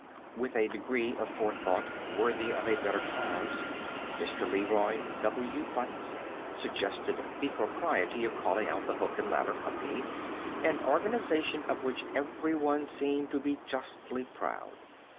With a degree of forethought worthy of a better cause, Mr. Leroy W. Butts suggested the propriety of calling out the hook and ladder company, an organization of which every one seemed to be justly proud.